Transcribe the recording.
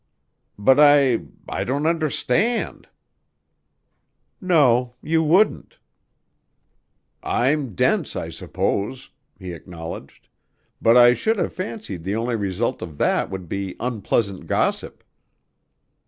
"But I I don't understand!" "No. You wouldn't." "I'm dense, I suppose," he acknowledged, "but I should have fancied the only result of that would be unpleasant gossip."